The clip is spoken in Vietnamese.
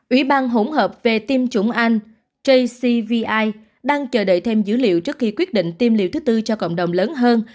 ủy ban hỗn hợp về tiêm chủng anh jcvi đang chờ đợi thêm dữ liệu trước khi quyết định tiêm liều thứ tư cho cộng đồng lớn hơn